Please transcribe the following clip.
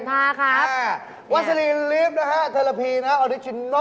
ทาครับวัสลินลิฟท์นะครับธรรพีนะครับออริจินัล